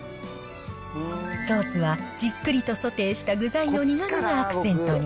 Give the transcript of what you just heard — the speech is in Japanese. ソースはじっくりとソテーした具材の苦みがアクセントに。